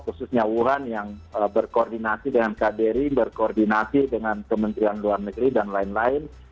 khususnya wuhan yang berkoordinasi dengan kbri berkoordinasi dengan kementerian luar negeri dan lain lain